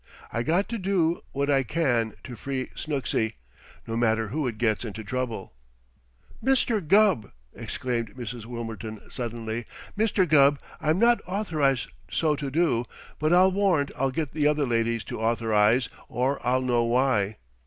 I got to do what I can to free Snooksy, no matter who it gets into trouble." "Mr. Gubb!" exclaimed Mrs. Wilmerton suddenly "Mr. Gubb, I'm not authorized so to do, but I'll warrant I'll get the other ladies to authorize, or I'll know why.